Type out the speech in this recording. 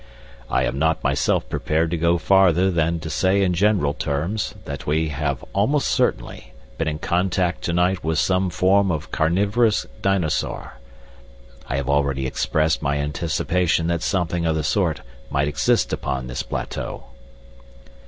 "I am not myself prepared to go farther than to say in general terms that we have almost certainly been in contact to night with some form of carnivorous dinosaur. I have already expressed my anticipation that something of the sort might exist upon this plateau."